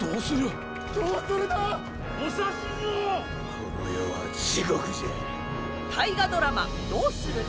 この世は地獄じゃ！